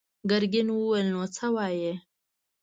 ګرګين وويل: نو څه وايې؟